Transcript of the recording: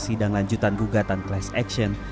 sidang lanjutan gugatan class action